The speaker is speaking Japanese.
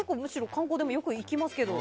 観光でもよく行きますけど。